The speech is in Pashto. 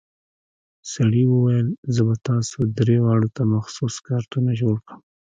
سړي وويل زه به تاسو درې واړو ته مخصوص کارتونه جوړ کم.